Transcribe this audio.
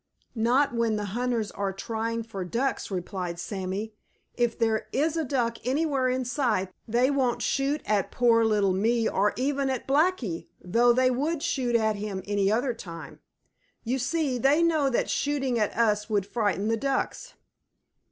"Not when the hunters are trying for Ducks," replied Sammy. "If there is a Duck anywhere in sight, they won't shoot at poor little me or even at Blacky, though they would shoot at him any other time. You see, they know that shooting at us would frighten the Ducks.